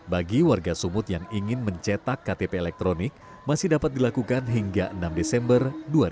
bagi warga sumut yang ingin mencetak ktp elektronik masih dapat dilakukan hingga enam desember dua ribu dua puluh